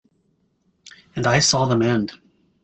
And I saw them end.